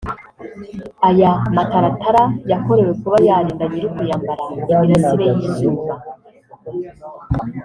aya mataratara yakorewe kuba yarinda nyir’ukuyambara imirasire y’izuba